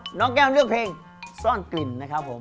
แล้วน้องเข้าปุ่นเลือกเพลงซ่อนกลิ่นนะครับผม